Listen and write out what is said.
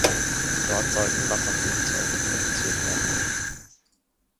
Dort sollten Wasserflugzeuge produziert werden.